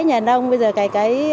nhà nông bây giờ cày cấy